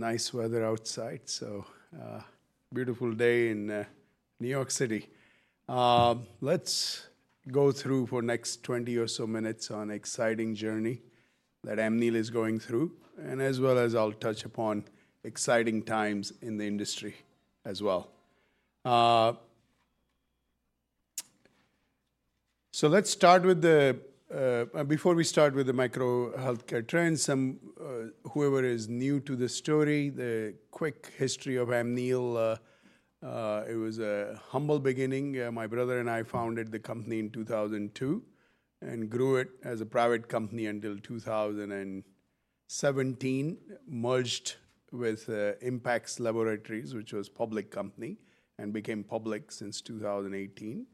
Nice weather outside, so, beautiful day in, New York City. Let's go through for next 20 or so minutes on exciting journey that Amneal is going through, and as well as I'll touch upon exciting times in the industry as well. So let's start with the, before we start with the micro healthcare trends, some, whoever is new to the story, the quick history of Amneal, it was a humble beginning. My brother and I founded the company in 2002, and grew it as a private company until 2017. Merged with, Impax Laboratories, which was public company, and became public since 2018.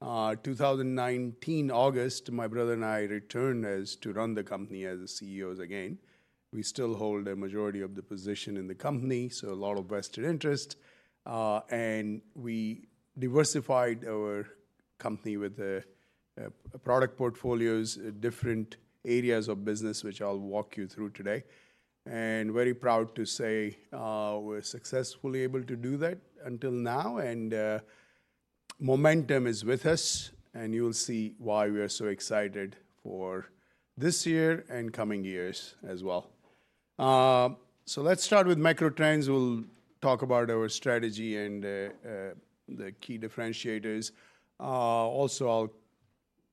2019 August, my brother and I returned as to run the company as CEOs again. We still hold a majority of the position in the company, so a lot of vested interest. And we diversified our company with product portfolios, different areas of business, which I'll walk you through today. And very proud to say, we're successfully able to do that until now, and momentum is with us, and you will see why we are so excited for this year and coming years as well. So let's start with macro trends. We'll talk about our strategy and the key differentiators. Also, I'll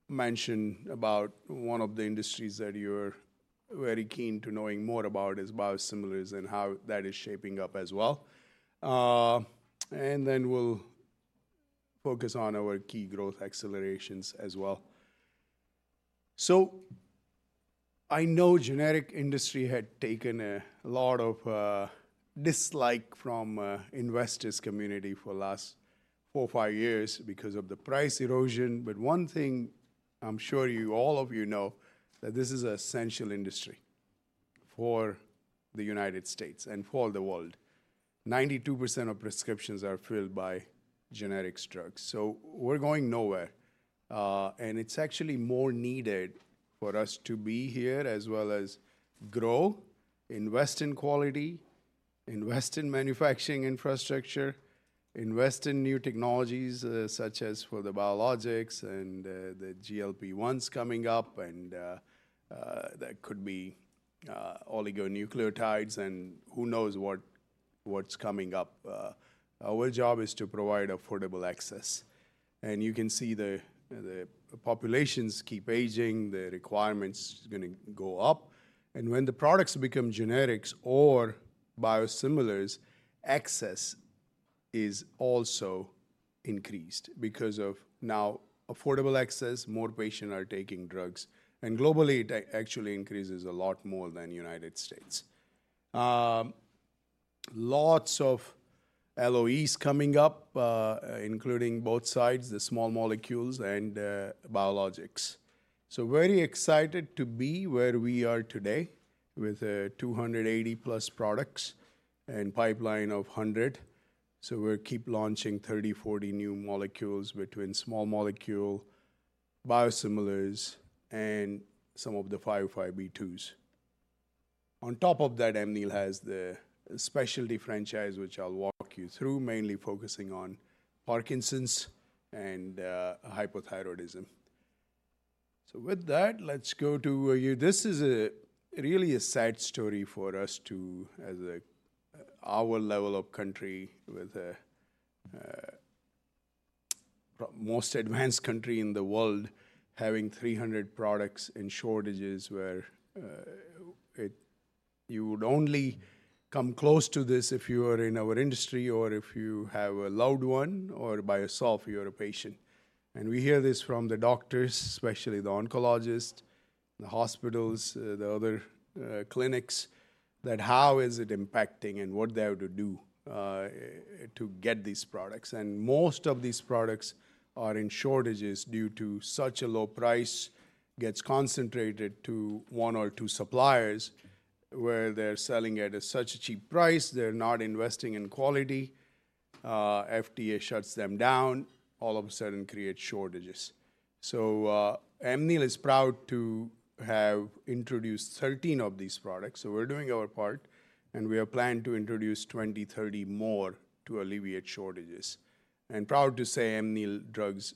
mention about one of the industries that you're very keen to knowing more about is biosimilars and how that is shaping up as well. And then we'll focus on our key growth accelerations as well. So I know the generic industry had taken a lot of dislike from the investors' community for the last four to five years because of the price erosion. But one thing I'm sure you, all of you know, that this is an essential industry for the United States and for the world. 92% of prescriptions are filled by generic drugs, so we're going nowhere. And it's actually more needed for us to be here as well as grow, invest in quality, invest in manufacturing infrastructure, invest in new technologies, such as for the biologics and the GLP-1s coming up, and there could be oligonucleotides, and who knows what's coming up. Our job is to provide affordable access, and you can see the populations keep aging, the requirements going to go up, and when the products become generics or biosimilars, access is also increased because of now affordable access, more patients are taking drugs, and globally, it actually increases a lot more than United States. Lots of LOEs coming up, including both sides, the small molecules and biologics. So very excited to be where we are today with 280+ products and pipeline of 100. So we'll keep launching 30, 40 new molecules between small molecule, biosimilars, and some of the 505(b)(2)s. On top of that, Amneal has the specialty franchise, which I'll walk you through, mainly focusing on Parkinson's and hypothyroidism. So with that, let's go to you... This is really a sad story for us to, as a, our level of country, with a most advanced country in the world, having 300 products in shortages where you would only come close to this if you are in our industry or if you have a loved one or by yourself, you're a patient. And we hear this from the doctors, especially the oncologists, the hospitals, the other clinics, that how is it impacting and what they are to do to get these products. And most of these products are in shortages due to such a low price, gets concentrated to one or two suppliers, where they're selling it at such a cheap price. They're not investing in quality. FDA shuts them down, all of a sudden creates shortages. So, Amneal is proud to have introduced 13 of these products, so we're doing our part, and we are planning to introduce 20, 30 more to alleviate shortages. And proud to say Amneal drugs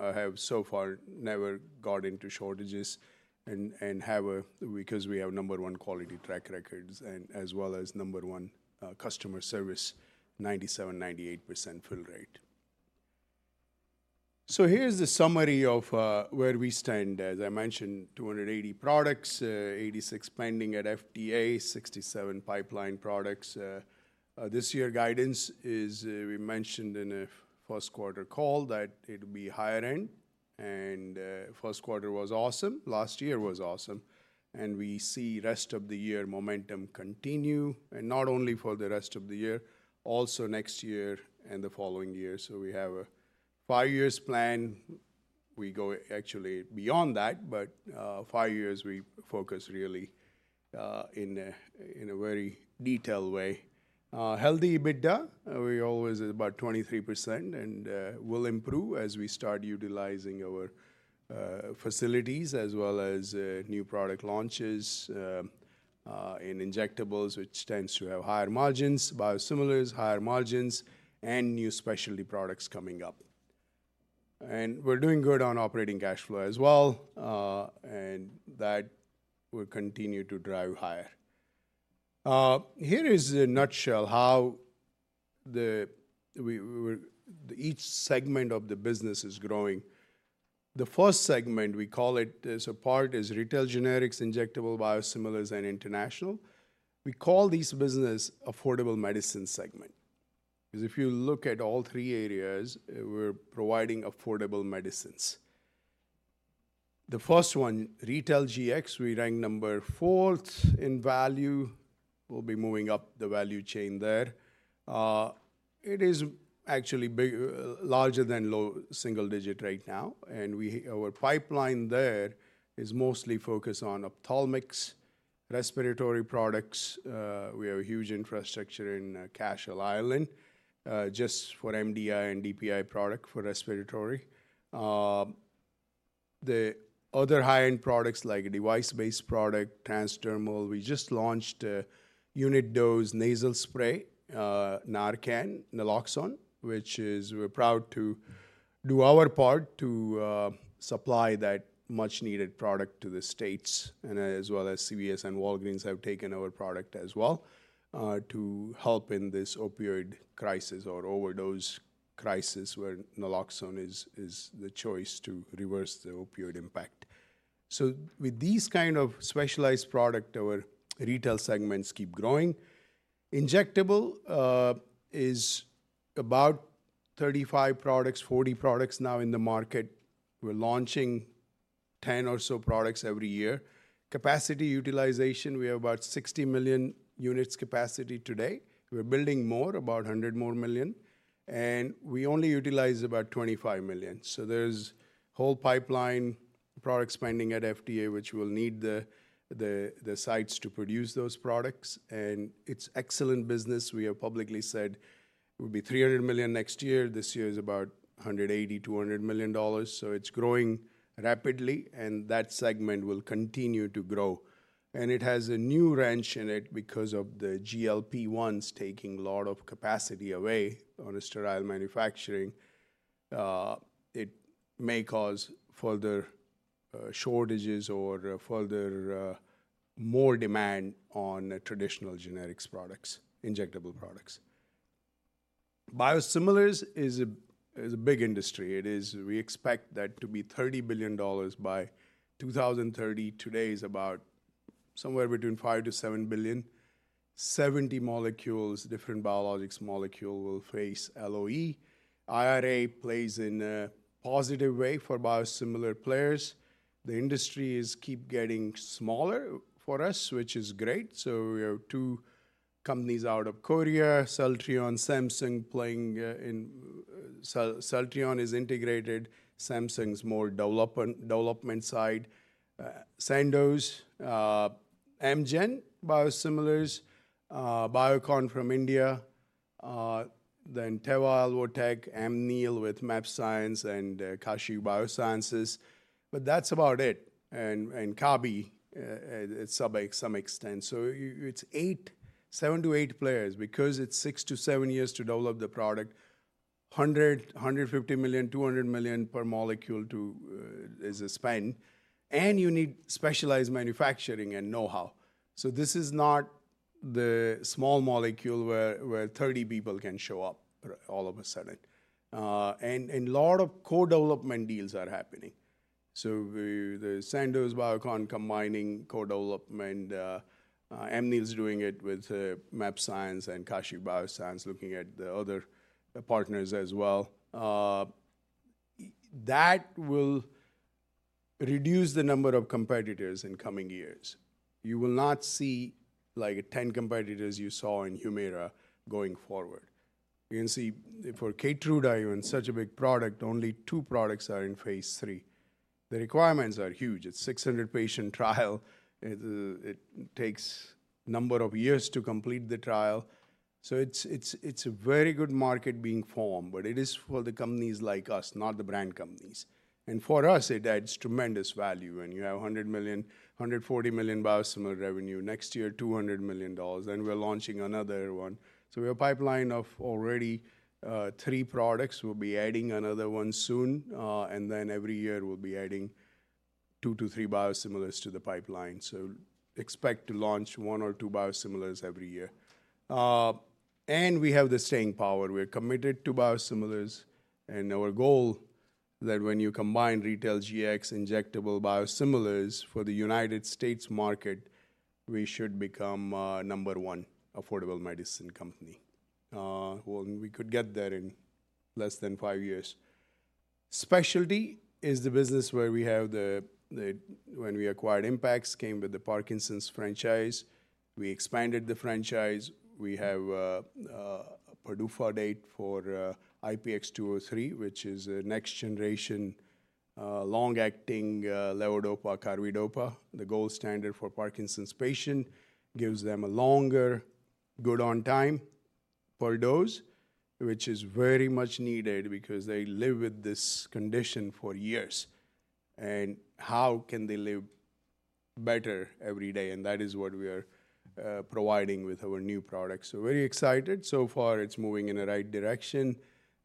have so far never got into shortages and have a—because we have number one quality track records and as well as number one customer service, 97%-98% fill rate. So here's the summary of where we stand. As I mentioned, 280 products, 86 pending at FDA, 67 pipeline products. This year guidance is, we mentioned in a first quarter call that it would be higher end, and first quarter was awesome. Last year was awesome, and we see rest of the year momentum continue, and not only for the rest of the year, also next year and the following year. So we have a five-year plan. We go actually beyond that, but five years, we focus really in a very detailed way. Healthy EBITDA. We always about 23%, and will improve as we start utilizing our facilities as well as new product launches in injectables, which tends to have higher margins, biosimilars, higher margins, and new specialty products coming up. And we're doing good on operating cash flow as well, and that will continue to drive higher. Here is a nutshell how we each segment of the business is growing. The first segment, we call it as a part, is Retail Generics, Injectable Biosimilars, and International. We call this business Affordable Medicine segment, 'cause if you look at all three areas, we're providing affordable medicines. The first one, Retail GX, we rank number fourth in value. We'll be moving up the value chain there. It is actually larger than low single digit right now, and our pipeline there is mostly focused on ophthalmics, respiratory products. We have a huge infrastructure in Cashel, Ireland, just for MDI and DPI product for respiratory. The other high-end products, like device-based product, transdermal, we just launched a unit-dose nasal spray, Narcan, naloxone, which is we're proud to do our part to supply that much needed product to the States, and as well as CVS and Walgreens have taken our product as well to help in this opioid crisis or overdose crisis, where naloxone is the choice to reverse the opioid impact. So with these kind of specialized product, our retail segments keep growing. Injectables is about 35 products, 40 products now in the market. We're launching 10 or so products every year. Capacity utilization, we have about 60 million units capacity today. We're building more, about 100 more million, and we only utilize about 25 million. So there's whole pipeline products pending at FDA, which will need the sites to produce those products, and it's excellent business. We have publicly said it will be $300 million next year. This year is about $180 million-$200 million. So it's growing rapidly, and that segment will continue to grow. And it has a new wrench in it because of the GLP-1s taking a lot of capacity away on the sterile manufacturing. It may cause further shortages or further more demand on traditional generics products, injectable products. Biosimilars is a big industry. It is... We expect that to be $30 billion by 2030. Today is about somewhere between $5 billion-$7 billion. 70 molecules, different biologics molecule will face LOE. IRA plays in a positive way for biosimilar players. The industry is keep getting smaller for us, which is great. So we have two companies out of Korea, Celltrion, Samsung, playing in... Celltrion is integrated. Samsung's more development side. Sandoz, Amgen Biosimilars, Biocon from India, then Teva, Alvotech, Amneal with mAbxience and Kashiv Biosciences, but that's about it, and Kabi at some extent. So it's seven to eight players because it's six to seven years to develop the product. $150 million-$200 million per molecule to is a spend, and you need specialized manufacturing and know-how. So this is not the small molecule where 30 people can show up all of a sudden. And a lot of co-development deals are happening. So with the Sandoz, Biocon combining co-development, Amneal is doing it with mAbxience and Kashiv Biosciences, looking at the other partners as well. That will reduce the number of competitors in coming years. You will not see like 10 competitors you saw in Humira going forward. You can see for Celltrion, in such a big product, only two products are in phase three. The requirements are huge. It's a 600-patient trial. It takes a number of years to complete the trial. So it's a very good market being formed, but it is for the companies like us, not the brand companies. And for us, it adds tremendous value. When you have $100 million, $140 million biosimilar revenue next year, $200 million, and we're launching another one. So we have a pipeline of already three products. We'll be adding another one soon, and then every year, we'll be adding two to three biosimilars to the pipeline. So expect to launch one or two biosimilars every year. And we have the staying power. We're committed to biosimilars, and our goal that when you combine Retail, GX, Injectable, Biosimilars for the United States market, we should become number one affordable medicine company. Well, we could get there in less than five years. Specialty is the business where we have the, the—when we acquired Impax, came with the Parkinson's franchise. We expanded the franchise. We have a PDUFA date for IPX203, which is a next-generation. Long-acting levodopa-carbidopa, the gold standard for Parkinson's patient, gives them a longer good-on time per dose, which is very much needed because they live with this condition for years. How can they live better every day? That is what we are providing with our new product. So very excited. So far, it's moving in the right direction.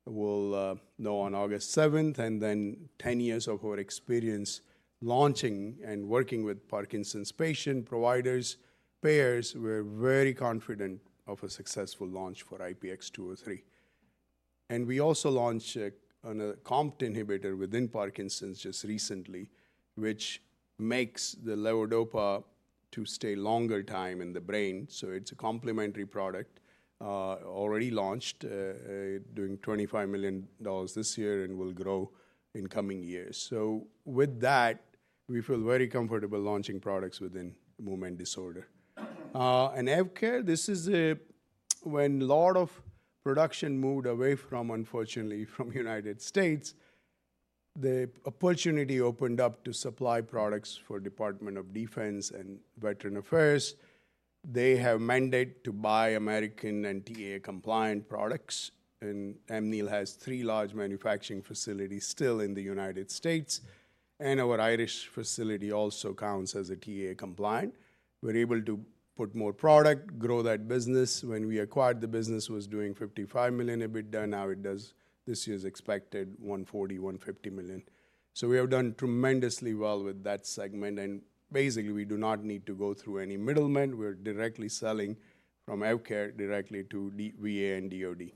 We'll know on August seventh, and then 10 years of our experience launching and working with Parkinson's patient providers, payers, we're very confident of a successful launch for IPX203. We also launched a COMT inhibitor within Parkinson's just recently, which makes the levodopa to stay longer time in the brain. So it's a complementary product, already launched, doing $25 million this year and will grow in coming years. So with that, we feel very comfortable launching products within movement disorder. And AvKARE, this is when a lot of production moved away from, unfortunately, from United States, the opportunity opened up to supply products for Department of Defense and Veterans Affairs. They have mandate to buy American and TAA-compliant products, and Amneal has three large manufacturing facilities still in the United States, and our Irish facility also counts as a TAA-compliant. We're able to put more product, grow that business. When we acquired, the business was doing $55 million EBITDA. Now it does, this year's expected $140 million-$150 million. So we have done tremendously well with that segment, and basically, we do not need to go through any middlemen. We're directly selling from AvKARE directly to the VA and DoD.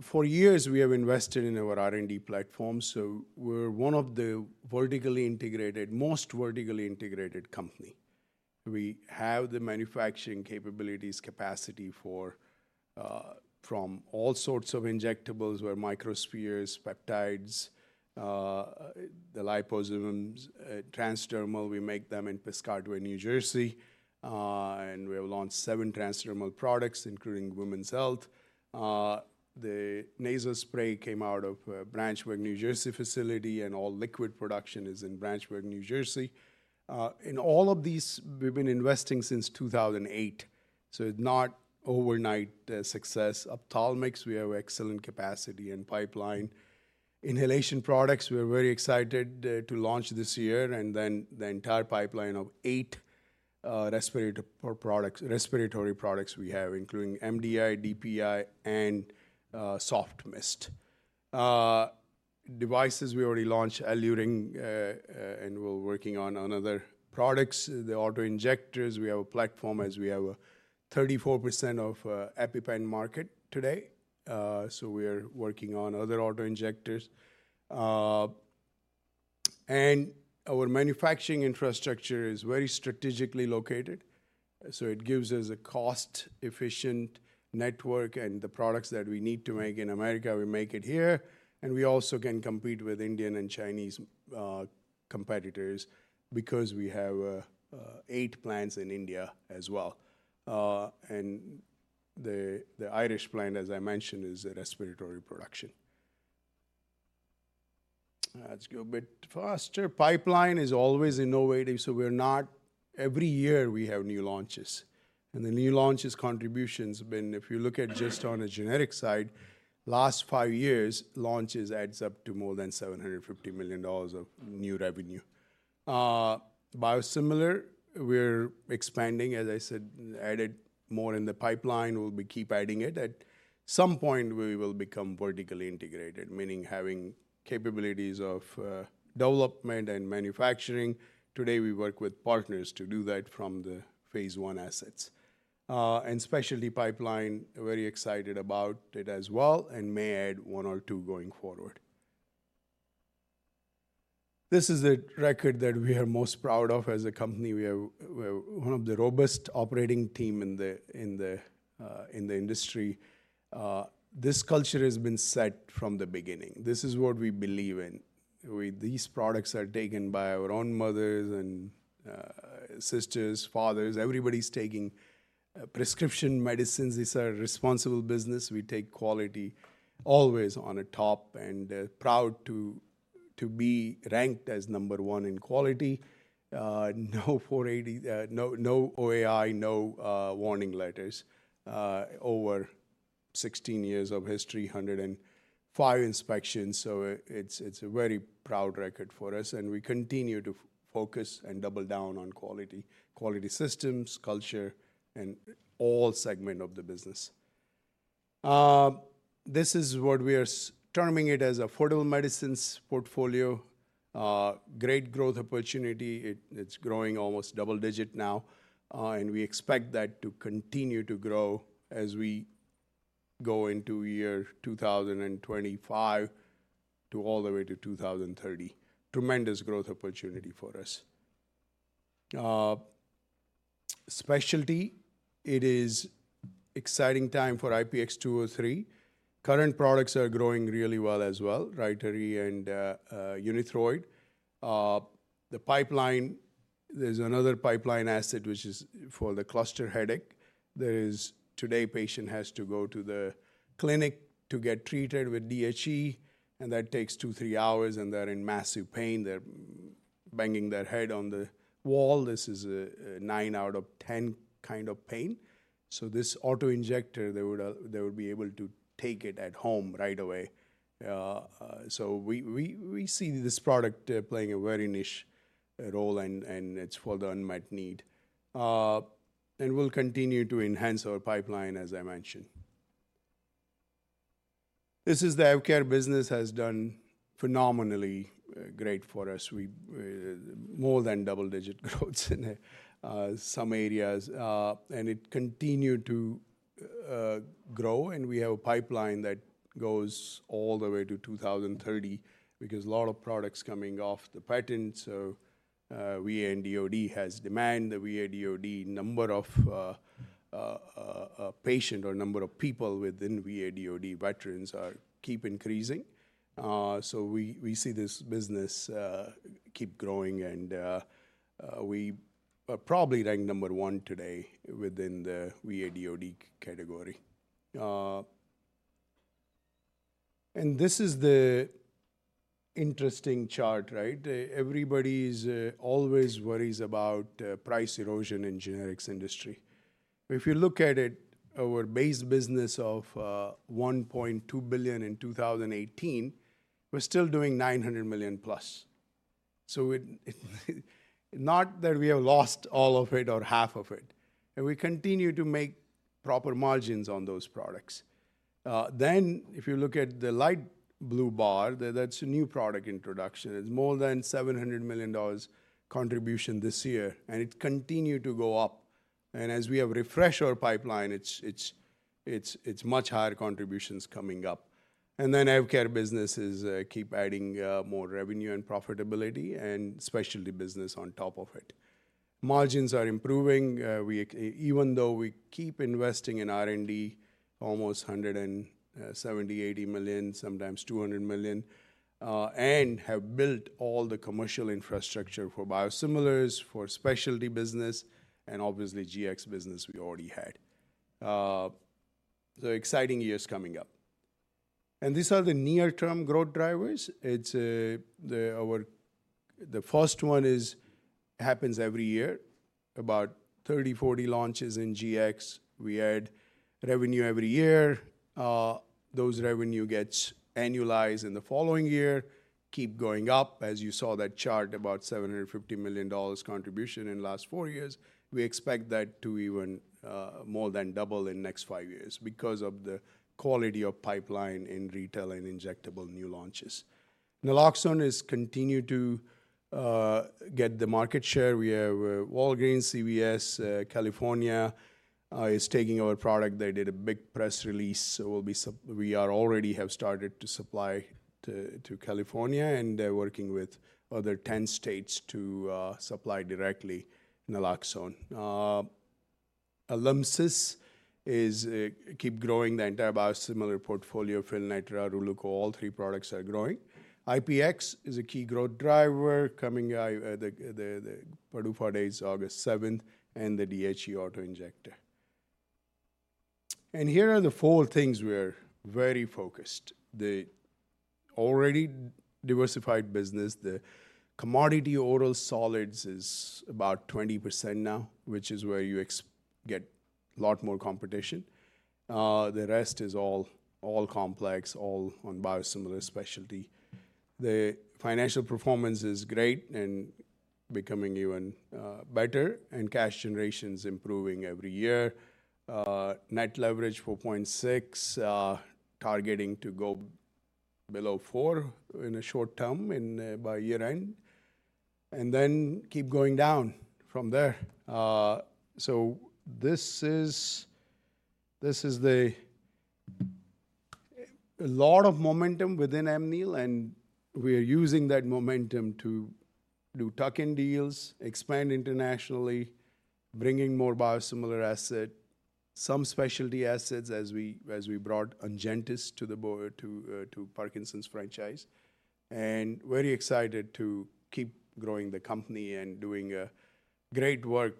For years, we have invested in our R&D platform, so we're one of the vertically integrated, most vertically integrated company. We have the manufacturing capabilities, capacity for from all sorts of injectables, where microspheres, peptides, the liposomes, transdermal, we make them in Piscataway, New Jersey. And we have launched seven transdermal products, including women's health. The nasal spray came out of Branchburg, New Jersey, facility, and all liquid production is in Branchburg, New Jersey. In all of these, we've been investing since 2008, so it's not overnight success. Ophthalmics, we have excellent capacity and pipeline. Inhalation products, we're very excited to launch this year, and then the entire pipeline of eight respiratory products—respiratory products we have, including MDI, DPI, and soft mist. Devices, we already launched EluRyng, and we're working on other products. The auto-injectors, we have a platform as we have a 34% of EpiPen market today. So we are working on other auto-injectors. And our manufacturing infrastructure is very strategically located, so it gives us a cost-efficient network, and the products that we need to make in America, we make it here, and we also can compete with Indian and Chinese competitors because we have 8 plants in India as well. And the Irish plant, as I mentioned, is a respiratory production. Let's go a bit faster. Pipeline is always innovating, so we're not... Every year we have new launches, and the new launches contributions have been, if you look at just on a generic side, last 5 years, launches adds up to more than $750 million of new revenue. Biosimilar, we're expanding, as I said, added more in the pipeline. We'll be keep adding it. At some point, we will become vertically integrated, meaning having capabilities of, development and manufacturing. Today, we work with partners to do that from the phase one assets. And specialty pipeline, very excited about it as well, and may add one or two going forward. This is the record that we are most proud of as a company. We are, we're one of the robust operating team in the industry. This culture has been set from the beginning. This is what we believe in. These products are taken by our own mothers and, sisters, fathers. Everybody's taking prescription medicines. It's a responsible business. We take quality always on the top and, proud to, to be ranked as number one in quality. No 483, no OAI, no warning letters, over 16 years of history, 105 inspections. So it's, it's a very proud record for us, and we continue to focus and double down on quality, quality systems, culture, in all segments of the business. This is what we are terming it as affordable medicines portfolio. Great growth opportunity. It, it's growing almost double-digit now, and we expect that to continue to grow as we go into year 2025 to all the way to 2030. Tremendous growth opportunity for us. Specialty, it is exciting time for IPX203. Current products are growing really well as well, Rytary and Unithroid. There's another pipeline asset, which is for the cluster headache. There is, today, patient has to go to the clinic to get treated with DHE, and that takes two to three hours, and they're in massive pain. They're banging their head on the wall. This is a nine out of 10 kind of pain. So this auto-injector, they would, they would be able to take it at home right away. So we see this product playing a very niche role, and it's well-defined unmet need. And we'll continue to enhance our pipeline, as I mentioned. This, the AvKARE business, has done phenomenally great for us. We more than double-digit growths in some areas. And it continued to grow, and we have a pipeline that goes all the way to 2030 because a lot of products coming off the patent. So, VA and DoD has demand. The VA/DoD number of patient or number of people within VA/DoD veterans are keep increasing. So we see this business keep growing, and we are probably ranked number one today within the VA/DoD category. And this is the interesting chart, right? Everybody's always worries about price erosion in generics industry. But if you look at it, our base business of $1.2 billion in 2018, we're still doing $900+ million. It, not that we have lost all of it or half of it, and we continue to make proper margins on those products. If you look at the light blue bar, that's a new product introduction. It's more than $700 million contribution this year, and it continued to go up. As we have refreshed our pipeline, it's much higher contributions coming up. AvKARE businesses keep adding more revenue and profitability and specialty business on top of it. Margins are improving, we—even though we keep investing in R&D, almost $170 million, $180 million, sometimes $200 million, and have built all the commercial infrastructure for biosimilars, for specialty business, and obviously, GX business we already had. Exciting years coming up. These are the near-term growth drivers. It's the... The first one is happens every year, about 30-40 launches in GX. We add revenue every year. Those revenue gets annualized in the following year, keep going up, as you saw that chart, about $750 million contribution in last four years. We expect that to even more than double in next five years because of the quality of pipeline in retail and injectable new launches. Naloxone has continued to get the market share. We have Walgreens, CVS, California is taking our product. They did a big press release, so we are already have started to supply to California, and they're working with other 10 states to supply directly naloxone. Alymsys is keep growing the entire biosimilar portfolio, Fylnetra, Releuko, all three products are growing. IPX is a key growth driver, coming, the PDUFA date is August seventh, and the DHE auto-injector. Here are the four things we are very focused: the already diversified business, the commodity oral solids is about 20% now, which is where you get a lot more competition. The rest is all, all complex, all on biosimilar specialty. The financial performance is great and becoming even better, and cash generation's improving every year. Net leverage 4.6, targeting to go below four in a short term, by year-end, and then keep going down from there. So this is the... A lot of momentum within Amneal, and we are using that momentum to do tuck-in deals, expand internationally, bringing more biosimilar asset, some specialty assets as we, as we brought Ongentys to the board to, to Parkinson's franchise. And very excited to keep growing the company and doing, great work,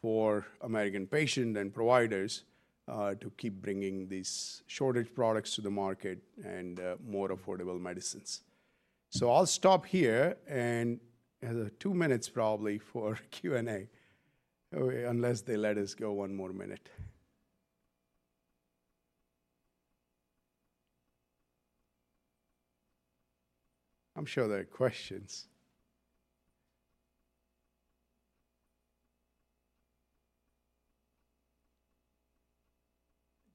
for American patient and providers, to keep bringing these shortage products to the market and, more affordable medicines. So I'll stop here, and I have two minutes probably for Q&A, unless they let us go one more minute. I'm sure there are questions.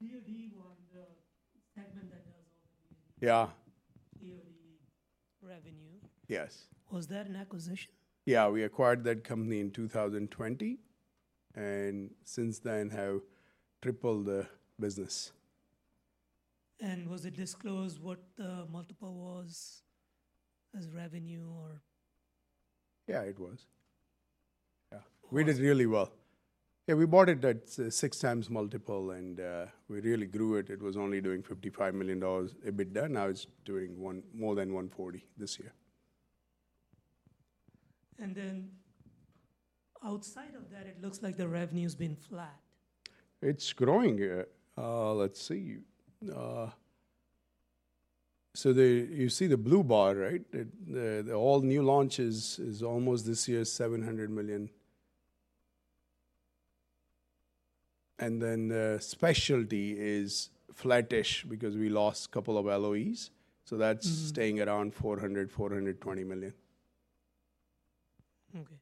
Do you want the segment that does over the- Yeah. DoD revenue? Yes. Was that an acquisition? Yeah, we acquired that company in 2020, and since then have tripled the business. Was it disclosed what the multiple was as revenue or? Yeah, it was. Yeah. How was- We did really well. Yeah, we bought it at 6x multiple, and we really grew it. It was only doing $55 million EBITDA. Now, it's doing more than $140 million this year. And then outside of that, it looks like the revenue's been flat. It's growing. Let's see. So, you see the blue bar, right? The all new launches is almost this year $700 million. And then the specialty is flattish because we lost a couple of LOEs, so that's staying around $400 million-$420 million. Okay. Thank you.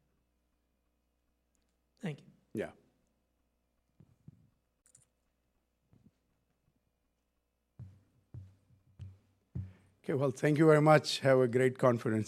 Yeah. Okay, well, thank you very much. Have a great conference.